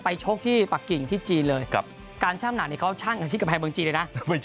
ชกที่ปะกิ่งที่จีนเลยการชั่งหนักเนี่ยเขาช่างกันที่กำแพงเมืองจีนเลยนะ